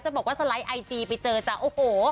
บอกว่าสไลด์ไอจีไปเจอจ้ะโอ้โห